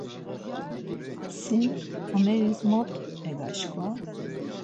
Sin ameris mot megaşkva?